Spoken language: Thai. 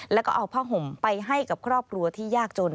แล้วก็เอาผ้าห่มไปให้กับครอบครัวที่ยากจน